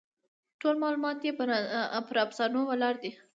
ټول معلومات یې پر افسانو ولاړ دي.